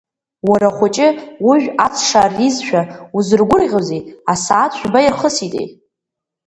Уара ахәыҷы, ужә аҵша аризшәа узыргәырӷьозеи, асааҭ жәба ирхыситеи?